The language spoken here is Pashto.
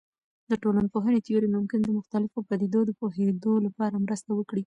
د ټولنپوهنې تیورۍ ممکن د مختلفو پدیدو د پوهیدو لپاره مرسته وکړي.